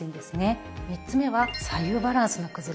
３つ目は左右バランスの崩れ。